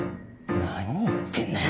何言ってんだよ。